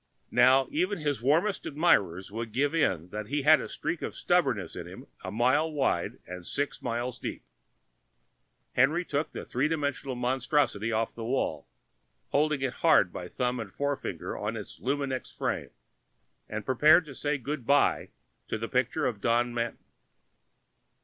Now, even his warmest admirers would give in that he had a streak of stubbornness in him a mile wide and six miles deep. Henry took the three dimensional monstrosity off the wall, holding it hard by thumb and forefinger on its luminex frame, and prepared to say good by to the picture of Don Manton.